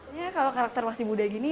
sebenarnya kalau karakter masih muda gini